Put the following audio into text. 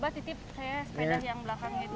aduh takut justru